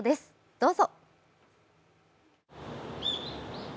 どうぞ。